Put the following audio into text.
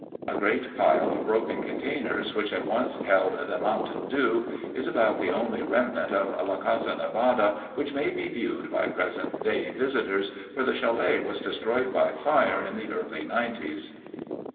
A great pile of broken containers, which had once held the "mountain dew," is about the only remnant of La Casa Nevada which may be viewed by present day visitors, for the chalet was destroyed by fire in the early 'nineties.